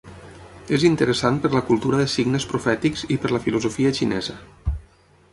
És interessat per la cultura de signes profètics i per la filosofia xinesa.